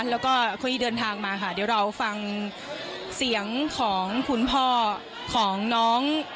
แล้วก็ค่อยเดินทางมาค่ะเดี๋ยวเราฟังเสียงของคุณพ่อของน้อง